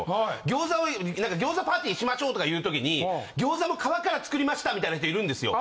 餃子を何か餃子パーティーしましょうとかいう時に餃子の皮から作りましたみたいな人いるんですよ。